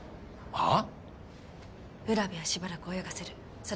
はあ。